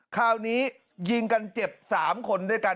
คราวนี้ยิงกันเจ็บ๓คนด้วยกัน